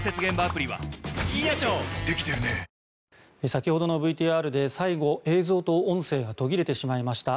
先ほどのＶＴＲで最後、映像と音声が途切れてしまいました。